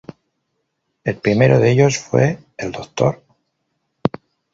El primero de ellos fue el Dr.